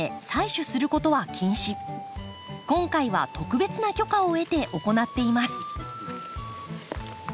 今回は特別な許可を得て行っています。